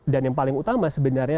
dan yang paling utama sebenarnya